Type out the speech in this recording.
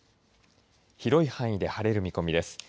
広い範囲で晴れる見込みです。